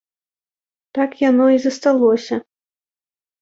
Так яно і засталося.